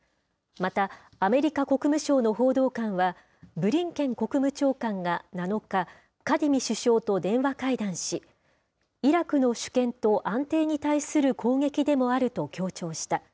また、アメリカ国務省の報道官は、ブリンケン国務長官が７日、カディミ首相と電話会談し、イラクの主権と安定に対する攻撃でもあると強調した。